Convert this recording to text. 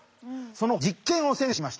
その実験を先生してきました。